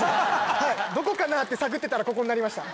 はいどこかなって探ってたらここになりました